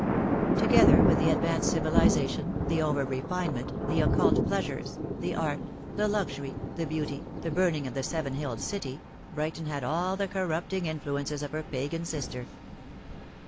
Together with the advanced civilisation, the over refinement, the occult pleasures, the art, the luxury, the beauty, the burning of the fceven hilled City, Brighton had all the corrupting influences of her Pagan sister.